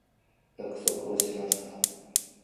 約束をしました。